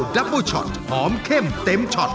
รับเบอร์ช็อตหอมเข้มเต็มช็อต